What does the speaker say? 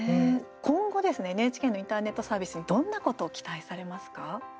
今後ですね、ＮＨＫのインターネットサービスにどんなことを期待されますか？